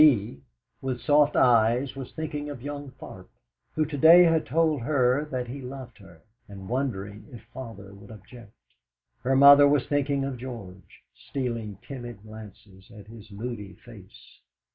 Bee, with soft eyes, was thinking of young Tharp, who to day had told her that he loved her, and wondering if father would object. Her mother was thinking of George, stealing timid glances at his moody face.